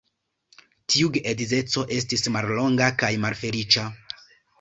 Tiu geedzeco estis mallonga kaj malfeliĉa.